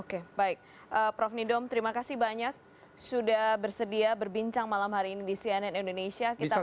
oke baik prof nidom terima kasih banyak sudah bersedia berbincang malam hari ini di cnn indonesia